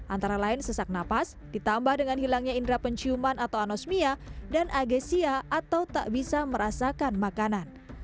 antara lain sesak napas ditambah dengan hilangnya indera penciuman atau anosmia dan agesia atau tak bisa merasakan makanan